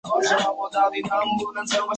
封威宁伯。